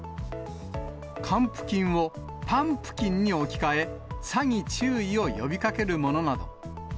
還付金をパンプキンに置き換え、詐欺注意を呼びかけるものなど。